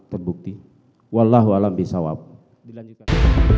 terdakwa kuat maklum